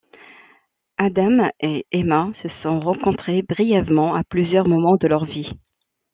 Adam et Emma se sont rencontrés brièvement à plusieurs moments de leur vie.